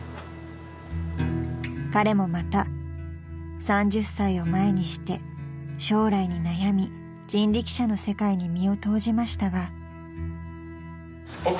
［彼もまた３０歳を前にして将来に悩み人力車の世界に身を投じましたが］